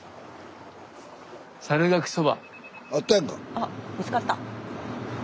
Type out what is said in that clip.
あ見つかった。